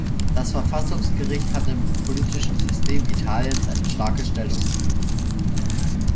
Das Verfassungsgericht hat im politischen System Italiens eine starke Stellung.